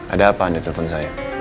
ada apaan di telpon saya